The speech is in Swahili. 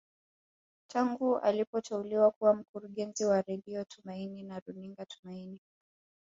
Tangu alipoteuliwa kuwa mkurungezi wa Radio Tumaini na runinga Tumaini